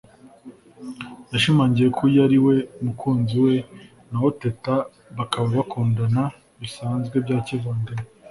yashimangiye ko uyu ari we mukunzi we naho Teta bakaba bakundana bisanzwe bya kivandimwe